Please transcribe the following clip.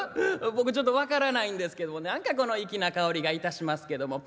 僕ちょっと分からないんですけども何か粋な薫りがいたしますけども。